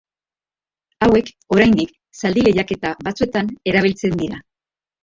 Hauek, oraindik, zaldi lehiaketa batzuetan erabiltzen dira.